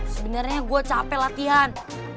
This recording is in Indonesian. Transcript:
sebenernya gue capek latihan